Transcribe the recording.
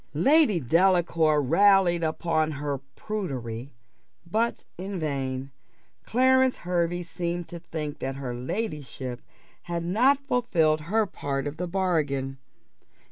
Lady Delacour rallied her upon her prudery, but in vain. Clarence Hervey seemed to think that her ladyship had not fulfilled her part of the bargain.